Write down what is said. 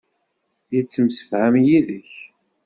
Yettemsefham yid-k.